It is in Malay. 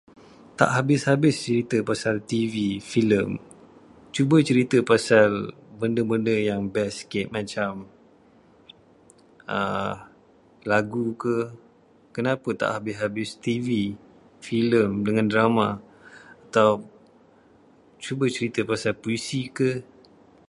Tak habis-habis cerita pasal TV, filem. Cuba cerita pasal benda-benda yang best sedikit, macam lagu ke. Kenapa tak habis-habis TV, filem atau drama. Cuba cerita pasal puisi ke?